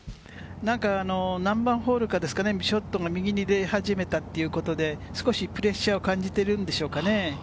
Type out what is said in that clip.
何番ホールかですが、ショットが右に出始めたということで、少しプレッシャーを感じてるんでしょうかね。